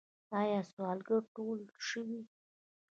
آیا سوالګر ټول شوي؟